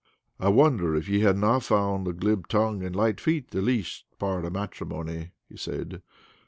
"I wonder if ye have na found a glib tongue and light feet the least part o' matrimony," he said.